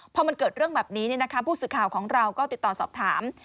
พอมันเกิดเรื่องแบบนี้ผู้สื่อข่าวของเราก็ติดต่อสอบถาม